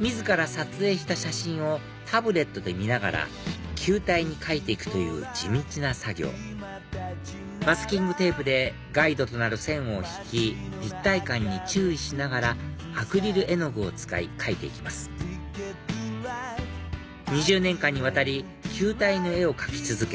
自ら撮影した写真をタブレットで見ながら球体に描いて行くという地道な作業マスキングテープでガイドとなる線を引き立体感に注意しながらアクリル絵の具を使い描いて行きます２０年間にわたり球体の絵を描き続け